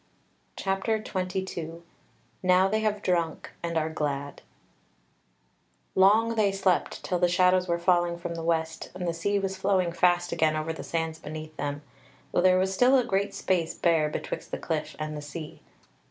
CHAPTER 22 Now They Have Drunk and Are Glad Long they slept till the shadows were falling from the west, and the sea was flowing fast again over the sands beneath them, though there was still a great space bare betwixt the cliff and the sea.